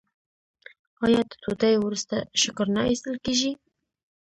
آیا د ډوډۍ وروسته شکر نه ایستل کیږي؟